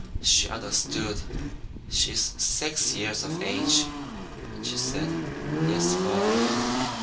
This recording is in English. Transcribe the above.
She understood. She is six years of age, and she said, "Yes, father."